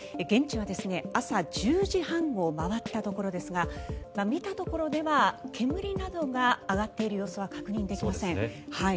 現地は朝１０時半を回ったところですが見たところでは煙などが上がっている様子は確認できません。